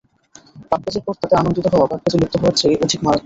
পাপকাজের পর তাতে আনন্দিত হওয়া, পাপকাজে লিপ্ত হওয়ার চেয়ে অধিক মারাত্মক।